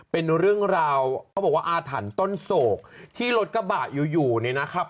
เป็นเรื่องราวเขาบอกว่าอาถรรพ์ต้นโศกที่รถกระบะอยู่อยู่เนี่ยนะครับ